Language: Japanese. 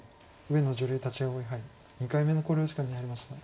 上野女流立葵杯２回目の考慮時間に入りました。